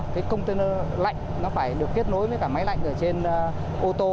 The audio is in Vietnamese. cái container lạnh nó phải được kết nối với cả máy lạnh ở trên ô tô